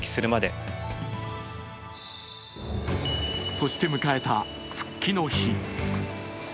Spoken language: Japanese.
そして迎えた復帰の日。